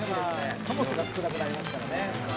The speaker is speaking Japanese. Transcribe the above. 「貨物が少なくなりますからね」